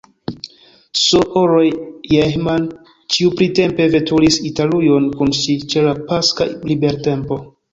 S-ro Jehman ĉiuprintempe veturis Italujon kun ŝi, ĉe la paska libertempo.